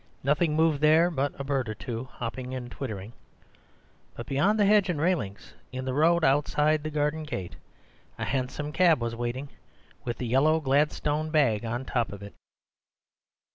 Nothing moved there but a bird or two hopping and twittering; but beyond the hedge and railings, in the road outside the garden gate, a hansom cab was waiting, with the yellow Gladstone bag on top of it.